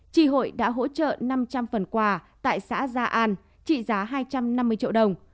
tri hội đã hỗ trợ năm trăm linh phần quà tại xã gia an trị giá hai trăm năm mươi triệu đồng